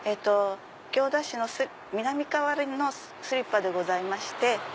行田市の南河原のスリッパでございまして。